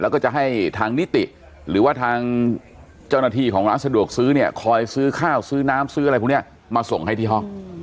แล้วก็จะให้ทางนิติหรือว่าทางเจ้าหน้าที่ของร้านสะดวกซื้อเนี่ยคอยซื้อข้าวซื้อน้ำซื้ออะไรพวกนี้มาส่งให้ที่ห้อง